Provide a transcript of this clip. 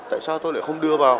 tại sao tôi lại không đưa vào